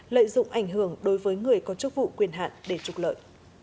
lợi dụng ảnh hưởng đối với người có chức vụ quyền hạn để trục lợi